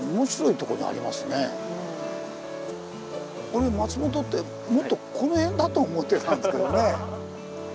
俺松本ってもっとこの辺だと思ってたんですけどね。